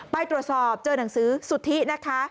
ไปตรวจสอบเจอหนังสือสุทธินะคะ